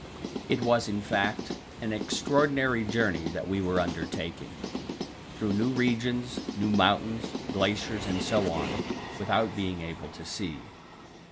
It was, in fact, an extraordinary journey that we were undertaking, through new regions, new mountains, glaciers, and so on, without being able to see.